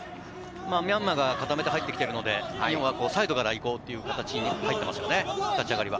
ミャンマーが固めて入ってきているので、サイドから行こうという形に入っていますよね、立ち上がりは。